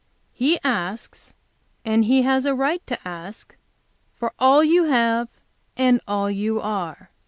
He asks, and He has a right to ask, for all you have and all you are.